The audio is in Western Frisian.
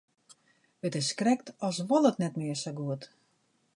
It is krekt as wol it net mear sa goed.